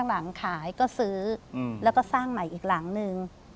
และก็สร้างใหม่อีกหลังหนึ่ง